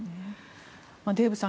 デーブさん